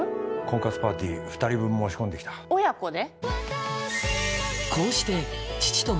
婚活パーティー２人分申し込んできた親子で？